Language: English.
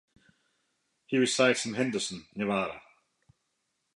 He resides in Henderson, Nevada.